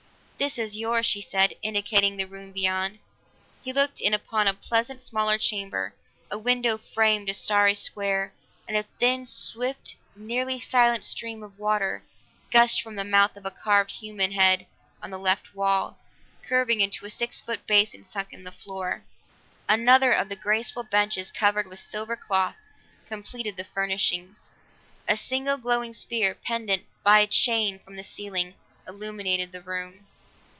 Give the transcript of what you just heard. "This is yours," she said, indicating the room beyond. He looked in upon a pleasant, smaller chamber; a window framed a starry square, and a thin, swift, nearly silent stream of water gushed from the mouth of a carved human head on the left wall, curving into a six foot basin sunk in the floor. Another of the graceful benches covered with the silver cloth completed the furnishings; a single glowing sphere, pendant by a chain from the ceiling, illuminated the room.